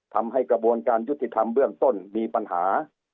ทำให้กระบวนการยุติธรรมเบื้องต้นมีปัญหา